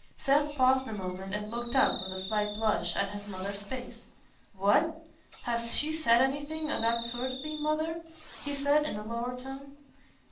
Seth paused a moment and looked up, with a slight blush, at his mother's face. "What! Has she said anything o' that sort to thee, Mother?" he said, in a lower tone.